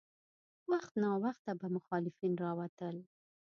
وخت ناوخت به مخالفین راوتل.